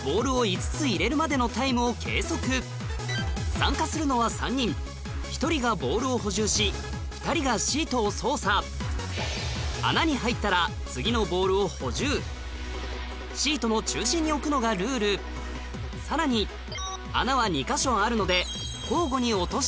参加するのは３人１人がボールを補充し２人がシートを操作シートの中心に置くのがルールさらに穴は２か所あるのでえっ